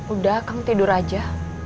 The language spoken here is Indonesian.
udah akang tidur aja